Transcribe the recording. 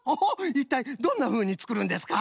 いったいどんなふうにつくるんですか？